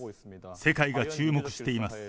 世界が注目しています。